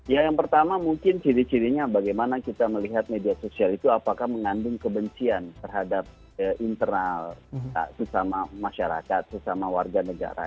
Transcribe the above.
ya yang pertama mungkin ciri cirinya bagaimana kita melihat media sosial itu apakah mengandung kebencian terhadap internal sesama masyarakat sesama warga negara